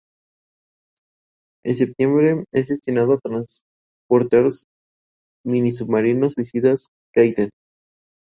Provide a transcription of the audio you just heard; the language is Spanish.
Herbert Read